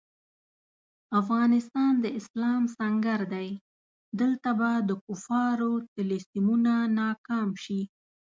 افغانستان د اسلام سنګر دی، دلته به د کفارو طلسمونه ناکام شي.